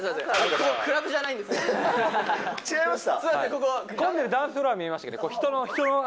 ここ、違いました？